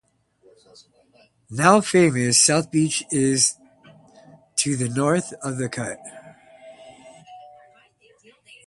The now-famous South Beach is to the north of the cut.